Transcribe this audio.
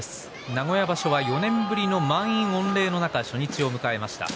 名古屋場所は４年ぶりの満員御礼の中、初日を迎えました。